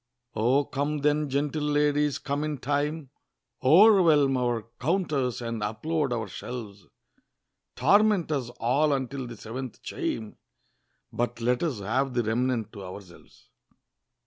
O come then, gentle ladies, come in time, O'erwhelm our counters, and unload our shelves; Torment us all until the seventh chime, But let us have the remnant to ourselves!